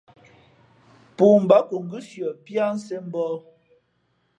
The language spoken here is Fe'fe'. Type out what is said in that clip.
Pōō mbǎ nko ngʉ́siα piā sēn mbǒh.